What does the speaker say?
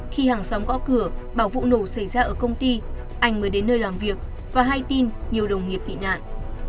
khi hàng xóm gõ cửa bảo vụ nổ xảy ra ở công ty anh mới đến nơi làm việc và hay tin nhiều đồng nghiệp bị nạn